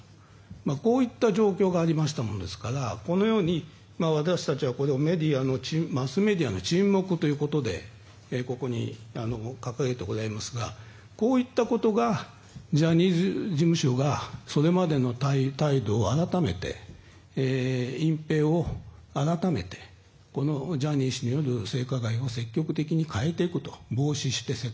こういった状況がありましたものですからこのように私たちはマスメディアの沈黙ということでここに書かれておりますがこういったことがジャニーズ事務所がそれまでの態度を改めて隠ぺいを改めてこのジャニー氏による性加害を防止して積極的に変えていくと。